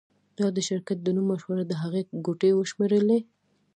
دا د شرکت د نوم مشوره ده هغې ګوتې وشمیرلې